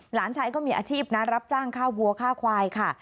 หลานชายก็มีอาชีพนะรับจ้างค่าวัวค่าควายค่ะ